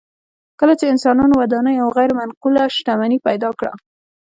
کله چې انسانانو ودانۍ او غیر منقوله شتمني پیدا کړه